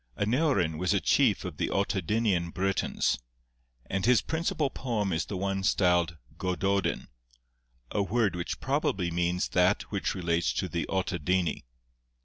Aneurin was a chief of the Ottadinian Britons, and his principal poem is the one styled Gododin, a word which probably means that which relates to the Ottadini.